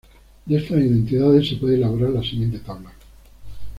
De estas identidades, se puede elaborar la siguiente tabla.